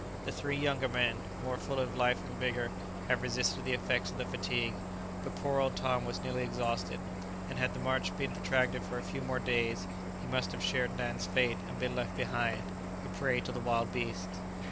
The three younger men, more full of life and vigour, had resisted the effects of the fatigue, but poor old Tom was nearly exhausted, and had the march been protracted for a few more days he must have shared Nan's fate and been left behind, a prey to the wild beasts.